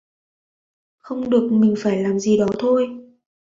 Không được mình phải làm gì đó thôi